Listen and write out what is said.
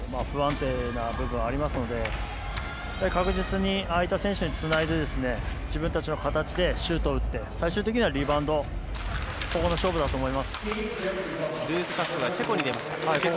不安定な部分ありますので確実に空いた選手につないで自分たちの形でシュートを打って最終的にはリバウンドの勝負だと思います。